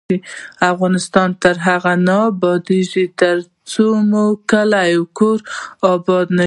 افغانستان تر هغو نه ابادیږي، ترڅو مو کور او کلی اباد نشي.